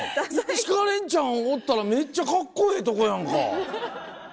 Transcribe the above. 石川恋ちゃんおったらめっちゃカッコええとこやんか。